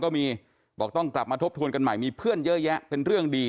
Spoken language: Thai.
ก็มีบอกต้องกลับมาทบทวนกันใหม่มีเพื่อนเยอะแยะเป็นเรื่องดี